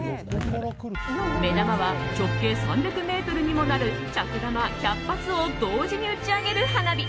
目玉は直径３００ｍにもなる尺玉１００発を同時に打ち上げる花火。